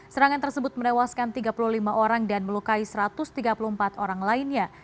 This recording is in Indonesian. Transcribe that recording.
serangan tersebut menewaskan tiga puluh lima orang dan melukai satu ratus tiga puluh empat orang lainnya